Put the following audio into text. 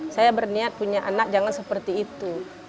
saya berniat punya anak jangan seperti itu